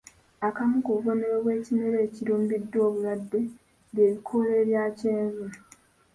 Akamu ku bubonero bw'ekimera ekirumbiddwa obulwadde bye bikoola ebya kyenvu.